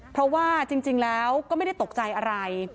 เพราะว่าจริงแล้วก็ไม่ได้ตกใจอะไร